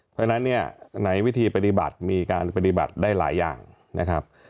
เพราะฉะนั้นเนี่ยในวิธีปฏิบัติมีการปฏิบัติได้หลายอย่างนะครับ